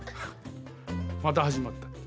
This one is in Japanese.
また始まったって。